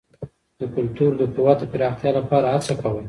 د کلتور د قوت د پراختیا لپاره هڅه کول.